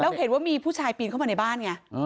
แล้วเห็นว่ามีผู้ชายปีนเข้ามาในบ้านไง